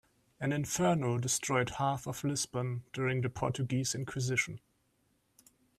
An inferno destroyed half of Lisbon during the Portuguese inquisition.